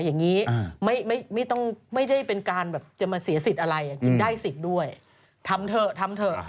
อย่างนี้ไม่ได้เป็นการจะสีระสิทธิ์อะไรจะได้สิทธิ์ด้วยทำเถ้อ